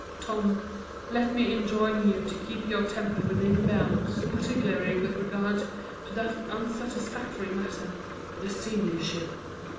Tom, let me enjoin you to keep your temper within bounds, particularly with regard to that unsatisfactory matter, the seniorship.